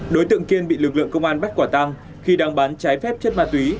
đối tượng kiên bị lực lượng công an bắt quả tăng khi đang bán trái phép chất ma túy